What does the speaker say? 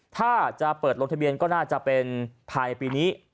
ถ้าจะเปิดลงทะเบียนก็น่าจะเป็นภายปีนี้